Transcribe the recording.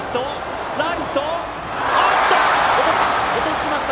落とした！